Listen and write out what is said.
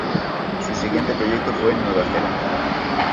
Su siguiente proyecto fue en Nueva Zelanda.